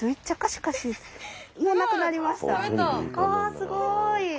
わすごい。